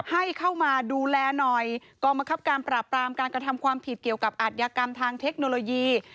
ให้เข้ามาดูแลหน่อยกองบังคับการปราบปรามการกระทำความผิดเกี่ยวกับอัธยากรรมทางเทคโนโลยี